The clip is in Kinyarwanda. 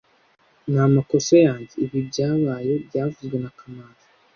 Ni amakosa yanjye ibi byabaye byavuzwe na kamanzi